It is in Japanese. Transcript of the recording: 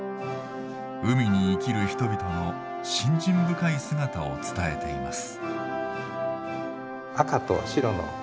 海に生きる人々の信心深い姿を伝えています。